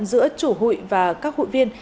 giữa chủ hụi và các hụi viên